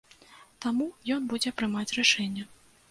Таму, ён будзе прымаць рашэнне.